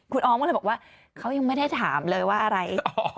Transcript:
คุณออมก็เลยบอกว่าเขายังไม่ได้ถามเลยว่าอะไร